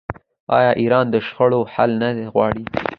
آیا ایران د شخړو حل نه غواړي؟